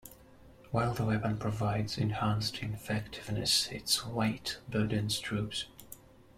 While the weapon provides enhanced effectiveness, its weight burdens troops.